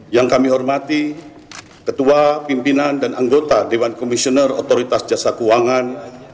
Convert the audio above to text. yang kami hormati ketua pimpinan dan anggota dewan komisioner otoritas jasa keuangan